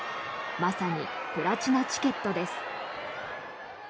まさにプラチナチケットです。